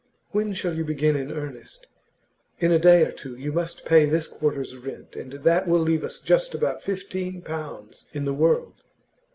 'When shall you begin in earnest? In a day or two you must pay this quarter's rent, and that will leave us just about fifteen pounds in the world.